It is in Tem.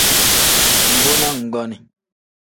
Mbo na nggonii.